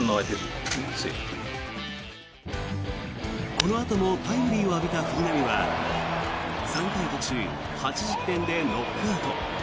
このあともタイムリーを浴びた藤浪は３回途中８失点でノックアウト。